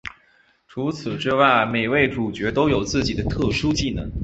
除此之外每位主角都有自己的特殊技能。